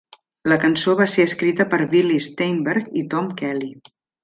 La cançó va ser escrita per Billy Steinberg i Tom Kelly.